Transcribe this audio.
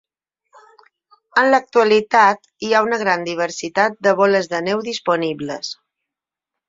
En l'actualitat, hi ha una gran diversitat de boles de neu disponibles.